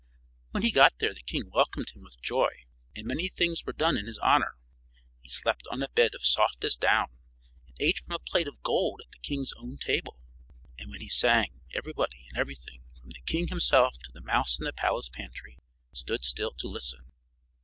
When he got there the king welcomed him with joy, and many things were done in his honor. He slept on a bed of softest down, and ate from a plate of gold at the king's own table; and when he sang everybody and everything, from the king himself to the mouse in the palace pantry, stood still to listen.